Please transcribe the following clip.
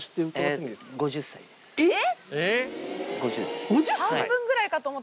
えっ？